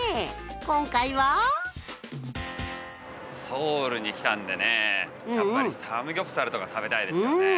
今回はソウルに来たんでねやっぱりサムギョプサルとか食べたいですよね。